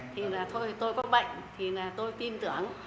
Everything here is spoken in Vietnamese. thì là thôi tôi có bệnh thì là tôi tin tưởng